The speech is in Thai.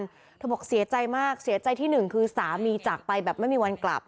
เธอบอกเสียใจมากเสียใจที่หนึ่งคือสามีจากไปแบบไม่มีวันกลับ